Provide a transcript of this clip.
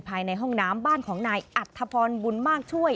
ภายในห้องน้ำบ้านของนายอัธพรบุญมากช่วย